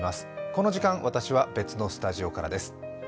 この時間、私は別のスタジオからです。